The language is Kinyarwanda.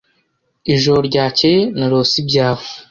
Ijoro ryakeye, narose ibyawe.